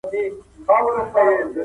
نوي میتودونه د کرني په برخه کي کاریږي.